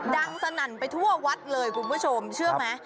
สนั่นไปทั่ววัดเลยคุณผู้ชมเชื่อไหม